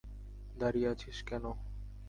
দাঁড়িয়ে আছিস কেন?